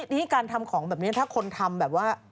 ทีนี้การทำของแบบนี้ถ้าคนทำแบบว่า